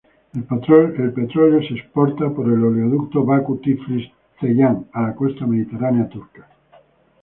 El petróleo es exportado por el oleoducto Bakú-Tiflis-Ceyhan a la costa mediterránea turca.